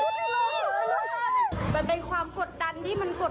คุณผู้ชมแม่น้ำหนึ่งเนี่ยระบายออกมาแบบอันอันที่สุด